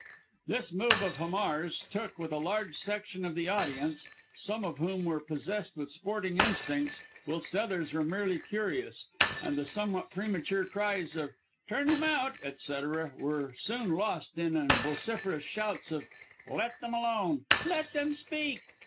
This move of Hamar's took with a large section of the audience some of whom were possessed with sporting instincts, whilst others were merely curious and the somewhat premature cries of "Turn him out!" etc., were soon lost in vociferous shouts of: "Let them alone!" "Let them speak!"